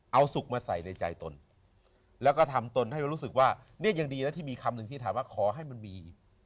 เอาสุขมาใส่ในใจตนแล้วก็ทำตนให้รู้สึกว่าเนี่ยยังดีนะที่มีคำหนึ่งที่ถามว่าขอให้มันมี